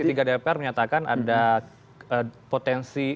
tadi kan komunisi tiga dpr menyatakan ada potensi